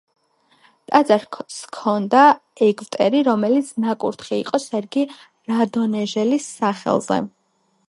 ტაძარს ჰქონდა ეგვტერი, რომელიც ნაკურთხი იყო სერგი რადონეჟელის სახელზე.